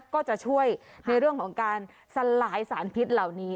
ก็จะช่วยในเรื่องของการสลายสารพิษเหล่านี้